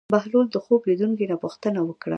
بهلول د خوب لیدونکي نه پوښتنه وکړه.